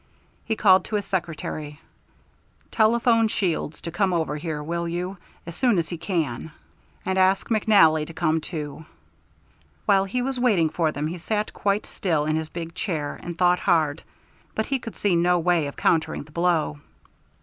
He called to his secretary: "Telephone Shields to come over here, will you, as soon as he can? And ask McNally to come too." While he was waiting for them he sat quite still in his big chair and thought hard, but he could see no way of countering the blow.